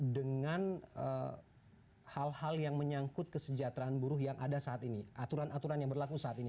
dengan hal hal yang menyangkut kesejahteraan buruh yang ada saat ini aturan aturan yang berlaku saat ini